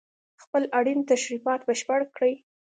خپل اړين تشريفات بشپړ کړي